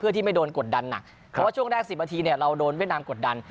เพื่อที่ไม่โดนกดดันหนักเพราะว่าช่วงแรก๑๐นาทีเนี่ยเราโดนเวียดนามกดดัน